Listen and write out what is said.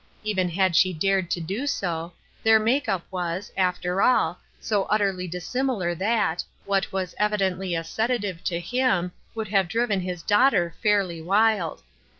Even had she dared to do so, their make up was, after all, so utterly dissimilar that, what was evi dently a sedative to him, would have driven his daughter fairly wild.